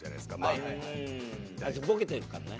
あいつボケてるからね。